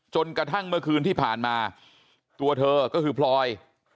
จนกระทั่งเมื่อคืนที่ผ่านมาตัวเธอก็คือพลอย